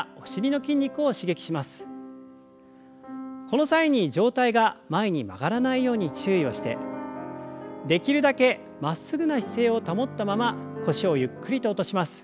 この際に上体が前に曲がらないように注意をしてできるだけまっすぐな姿勢を保ったまま腰をゆっくりと落とします。